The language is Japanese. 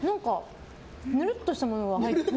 ぬるっとしたものが入ってる。